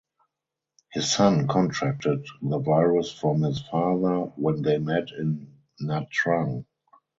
His son contracted the virus from his father when they met in Nha Trang.